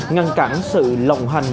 ngăn cản sự lộng hành